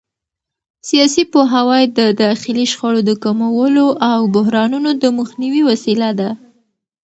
سیاسي پوهاوی د داخلي شخړو د کمولو او بحرانونو د مخنیوي وسیله ده